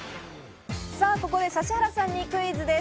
ここで指原さんにクイズです。